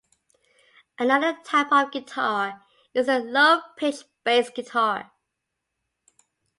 Another type of guitar is the low-pitched bass guitar.